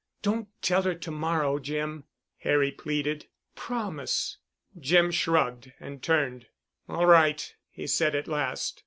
"Don't tell her to morrow, Jim," Harry pleaded. "Promise." Jim shrugged and turned. "All right," he said at last.